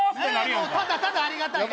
もうただただありがたいね